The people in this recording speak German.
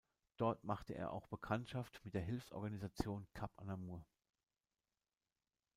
Dort machte er auch Bekanntschaft mit der Hilfsorganisation "Cap Anamur".